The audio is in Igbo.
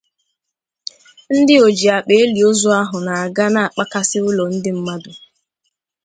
ndị oji akpa eli ozu ahụ na-aga akpàkasị ụlọ ndị mmadụ